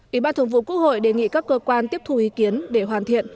ủy ban thường vụ quốc hội đề nghị các cơ quan tiếp thu ý kiến để hoàn thiện